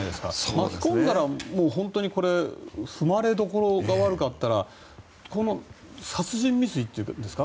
巻き込んだら本当に踏まれどころが悪かったら殺人未遂ですか